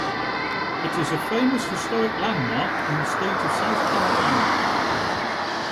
It is a famous historic landmark in the state of South Carolina.